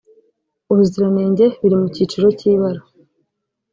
ubuziranenge biri mu cyiciro cy’ibara